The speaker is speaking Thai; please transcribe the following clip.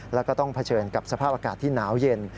แล้วก็ต้องเผชิญกับสภาพอากาศที่หนาวเย็น